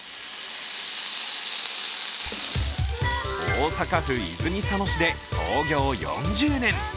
大阪府泉佐野市で創業４０年。